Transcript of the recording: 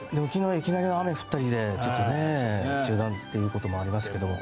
いきなり雨降ったりで中断ということもありますけど